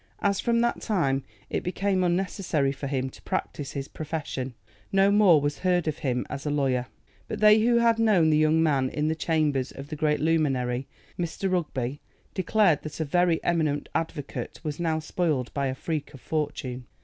As from that time it became unnecessary for him to practise his profession, no more was heard of him as a lawyer. But they who had known the young man in the chambers of that great luminary, Mr. Rugby, declared that a very eminent advocate was now spoiled by a freak of fortune.